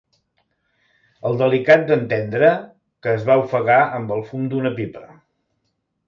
El delicat d'en Tendre, que es va ofegar amb el fum d'una pipa.